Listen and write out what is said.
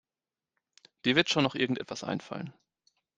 Dir wird schon noch irgendetwas einfallen.